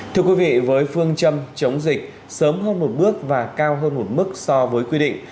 thưa quý vị với phương châm chống dịch sớm hơn một bước và cao hơn một mức so với quy định